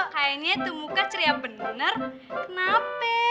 kayaknya itu muka ceria bener kenapa